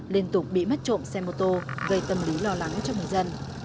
liên tục bị mất trộm xe mô tô gây tâm lý lo lắng cho người dân